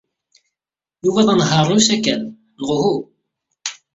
Yuba d anehhaṛ n usakal, neɣ uhu?